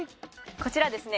こちらですね